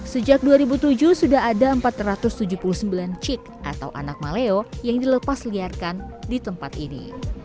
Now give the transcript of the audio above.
sejak dua ribu tujuh sudah ada empat ratus tujuh puluh sembilan cik atau anak maleo yang dilepas liarkan di tempat ini